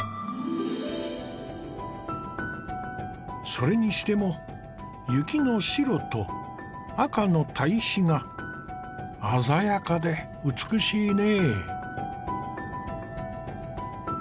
それにしても雪の白と赤の対比が鮮やかで美しいね。